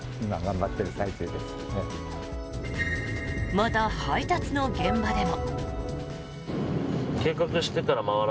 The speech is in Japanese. また、配達の現場でも。